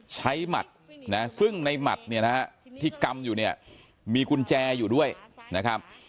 ใช้หมัดนะซึ่งในหมัดที่กำอยู่มีกุญแจอยู่ด้วยนะครับ